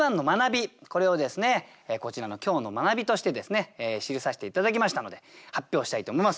これをですねこちらの今日の学びとしてですね記させて頂きましたので発表したいと思います。